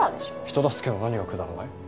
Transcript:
人助けの何がくだらない？